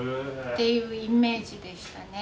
っていうイメージでしたね。